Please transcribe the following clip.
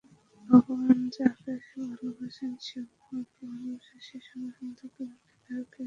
ভগবান যাহাকে ভালবাসেন, সেও ভগবানকে ভালবাসে, সে সর্বান্তঃকরণে তাঁহাকে আঁকড়াইয়া ধরে।